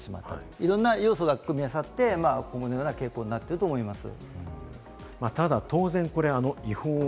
いろんな要素が含み混ざってこのような傾向になっていると思います。